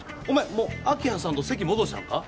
もう明葉さんと籍戻したんか？